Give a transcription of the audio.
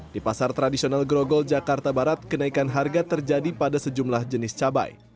di pasar tradisional grogol jakarta barat kenaikan harga terjadi pada sejumlah jenis cabai